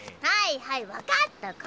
はいはい分かった。